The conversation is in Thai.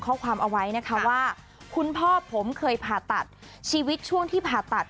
ข้อความเอาไว้นะคะว่าคุณพ่อผมเคยผ่าตัดชีวิตช่วงที่ผ่าตัด